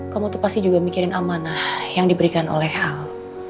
kamu tuh pasti juga mikirin amanah yang diberikan oleh al